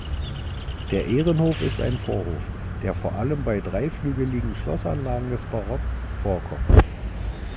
Der Ehrenhof ist ein Vorhof, der vor allem bei dreiflügeligen Schlossanlagen des Barock vorkommt.